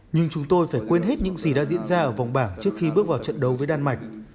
nhưng chúng tôi phải quên hết những gì đã diễn ra ở vòng bảng trước khi bước vào trận đấu với đan mạch